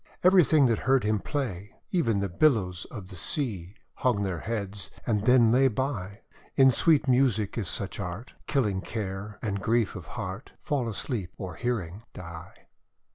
Everything that heard him play, Even the billows of the sea, Hung their heads, and then lay by. In sweet music is such art, Killing Care and Grief of Heart Fall asleep, or hearing die.